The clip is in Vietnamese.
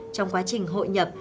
trong quá trình hội nhập